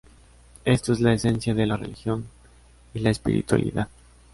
Esto es la esencia de la religión; y la espiritualidad.